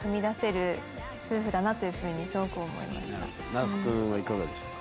那須君はいかがでしたか？